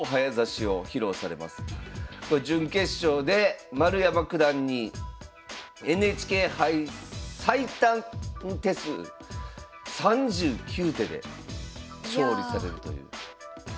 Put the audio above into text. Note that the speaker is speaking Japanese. これ準決勝で丸山九段にＮＨＫ杯最短手数３９手で勝利されるという。